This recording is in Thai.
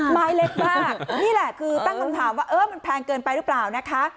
ไม้เล็กมากนี่แหละคือตั้งคำถามว่าเออมันแพงเกินไปหรือเปล่านะคะ